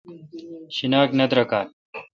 شیناک نہ درکالہ